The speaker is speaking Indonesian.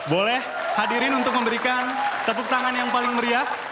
boleh hadirin untuk memberikan tepuk tangan yang paling meriah